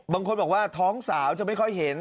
บางคนบอกว่าท้องสาวจะไม่ค่อยเห็น